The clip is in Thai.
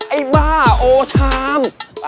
ไอ้บ้าโอชาม